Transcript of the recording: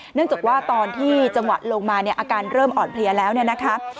เนื่องจากว่าตอนที่จังหวะลงมาเนี่ยอาการเริ่มอ่อนเพลียแล้วเนี่ยนะคะ